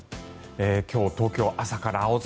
今日、東京、朝から青空。